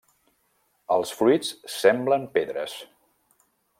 Els fruits semblen pedres.